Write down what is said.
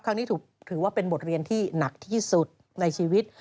ครั้งนี้ถือว่าเป็นบทเรียนที่หนักที่สุดในชีวิต